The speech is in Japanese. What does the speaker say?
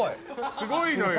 すごいのよ。